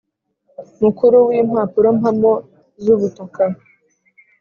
Mukuru w impapurompamo z ubutaka